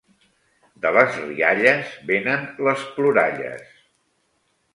De les rialles vénen les ploralles.